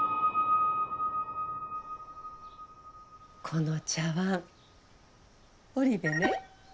この茶わん織部ね。